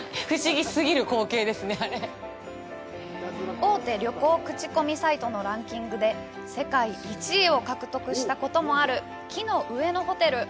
大手旅行口コミサイトのランキングで世界１位を獲得したこともある木の上のホテル。